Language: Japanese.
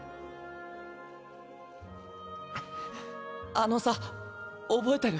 あのさ覚えてる？